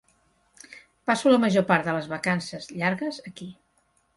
Passo la major part de les vacances llargues aquí.